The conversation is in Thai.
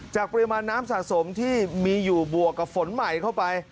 ปริมาณน้ำสะสมที่มีอยู่บวกกับฝนใหม่เข้าไป